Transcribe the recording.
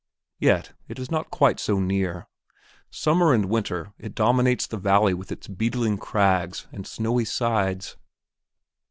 Yet it is not quite so near. Summer and winter it dominates the valley with its beetling crags and snowy sides.